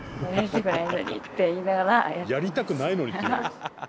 「やりたくないのに」って言うの？